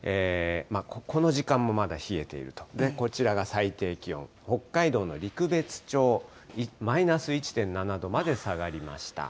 この時間もまだ冷えていると、こちらが最低気温、北海道の陸別町マイナス１．７度まで下がりました。